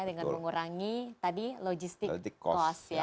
dengan mengurangi tadi logistik cost ya